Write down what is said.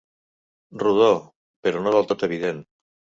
Rodó, però no del tot evident.